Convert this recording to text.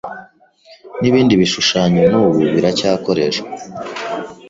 nibindi bishushanyo n'ubu biracyakoreshwa